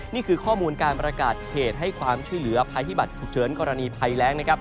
นี่คือข้อมูลการประกาศเขตให้ความชื่อเหลือภายที่บัตรถุเชิญกรณีภัยแรง